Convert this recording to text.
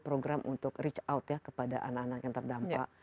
program untuk reach out ya kepada anak anak yang terdampak